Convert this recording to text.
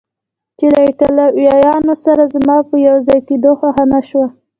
چې له ایټالویانو سره زما په یو ځای کېدو خوښه نه شوه.